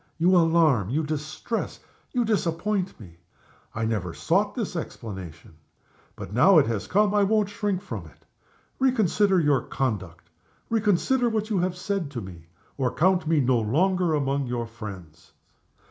You alarm, you distress, you disappoint me. I never sought this explanation but now it has come, I won't shrink from it. Reconsider your conduct; reconsider what you have said to me or you count me no longer among your friends.